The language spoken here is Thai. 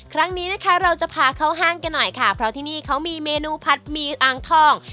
ครั้งนี้นะคะเราจะพาเข้าห้างกันหน่อยค่ะเพราะที่นี่เขามีเมนูผัดหมี่อ่างทอง